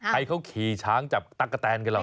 ใครเขาขี่ช้างจับตั๊กกะแตนกันเหรอ